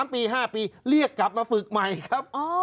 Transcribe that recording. ๓ปี๕ปีเรียกกลับมาฝึกใหม่ครับ